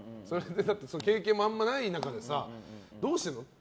経験もあんまりない中でどうしてるの？